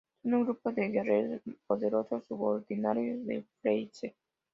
Son un grupo de guerreros poderosos subordinados de Freezer.